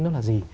nó là gì